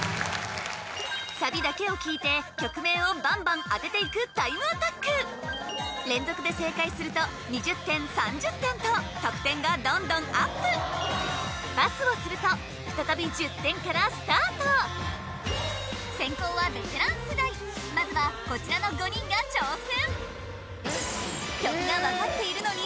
サビだけを聴いて曲名をバンバン当てていくタイムアタック連続で正解すると２０点３０点と得点がどんどんアップ先攻はベテラン世代まずはこちらの５人が挑戦